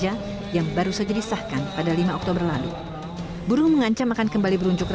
agar rezim jokowi benar benar mendengar